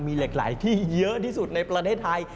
มีเหล็กไหลที่เยอะที่สุดในประเทศไทย